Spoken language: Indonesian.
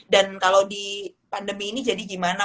dan kalau di pandemi ini jadi gimana